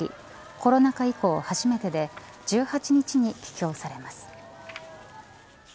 コロナ禍以降初めてで１８日に帰京されます。